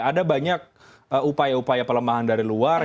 ada banyak upaya upaya pelemahan dari luar